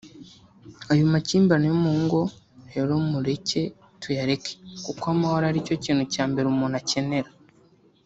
Ayo makimbirane yo mu ngo rero mureke tuyareke kuko amahoro aricyo kintu cya mbere umuntu akenera